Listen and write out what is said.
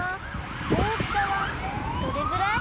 大きさはどれぐらい？